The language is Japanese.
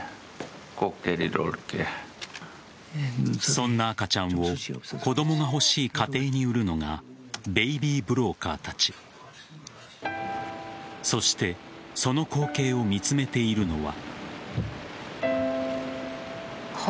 そんな赤ちゃんを子供が欲しい家庭に売るのがベイビーブローカーたちそしてその光景を見つめているのは。